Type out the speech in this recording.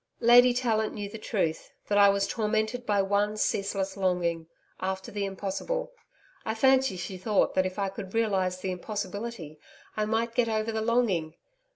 'Lady Tallant knew the truth that I was tormented by one ceaseless longing after the impossible. I fancy she thought that if I could realise the impossibility, I might get over the longing....